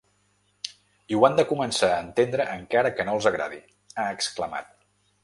I ho han de començar a entendre encara que no els agradi, ha exclamat.